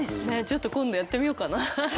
ちょっと今度やってみようかな。